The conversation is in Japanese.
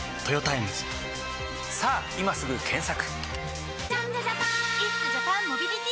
さぁ今すぐ検索！